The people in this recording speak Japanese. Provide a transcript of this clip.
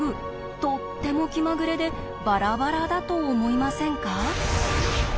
とっても気まぐれでバラバラだと思いませんか。